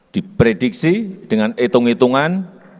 diprediksi dengan hitung hitungan